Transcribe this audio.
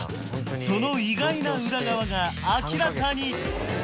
その意外な裏側が明らかに！